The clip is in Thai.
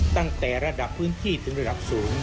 ตั้งแต่ระดับพื้นที่ถึงระดับสูง